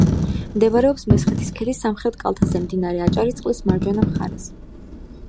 მდებარეობს მესხეთის ქედის სამხრეთ კალთაზე, მდინარე აჭარისწყლის მარჯვენა მხარეს.